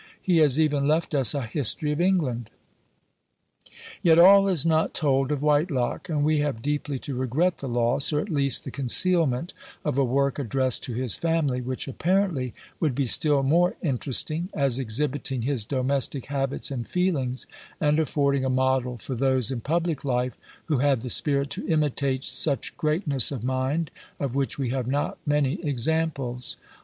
He has even left us a History of England. Yet all is not told of Whitelocke; and we have deeply to regret the loss, or at least the concealment, of a work addressed to his family, which apparently would be still more interesting, as exhibiting his domestic habits and feelings, and affording a model for those in public life who had the spirit to imitate such greatness of mind, of which we have not many examples.